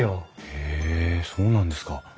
へえそうなんですか。